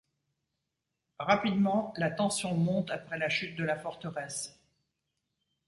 Rapidement, la tension monte après la chute de la forteresse.